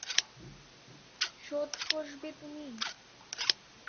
শোধ কষবে তুমি।